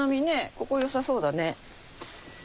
ここよさそうだね。